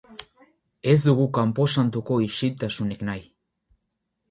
Ez dugu kanposantuko isiltasunik nahi.